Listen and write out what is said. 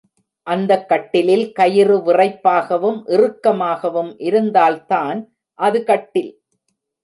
அந்தக் கட்டிலில் கயிறு விறைப்பாகவும் இறுக்கமாகவும் இருந்தால்தான் அது கட்டில்.